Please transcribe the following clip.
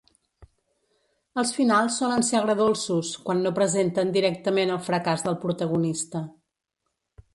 Els finals solen ser agredolços, quan no presenten directament el fracàs del protagonista.